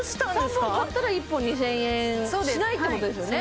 ３本買ったら１本２０００円しないってことですよね